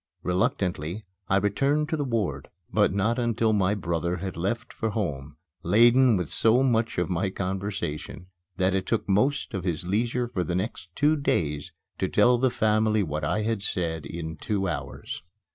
Reluctantly I returned to the ward; but not until my brother had left for home, laden with so much of my conversation that it took most of his leisure for the next two days to tell the family what I had said in two hours.